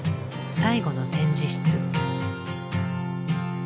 最後の展示室。